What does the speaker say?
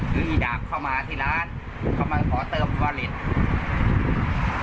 ถืออีฎาปเข้ามาที่ร้านเค้ามาขอเติมกวรรติ